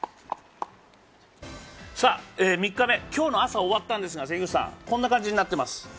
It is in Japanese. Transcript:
３日目、今日の朝終わったんですがこんな感じになってます。